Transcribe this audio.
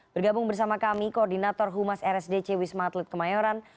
bergabung bersama kami koordinator humas rsdc wisma atlet kemayoran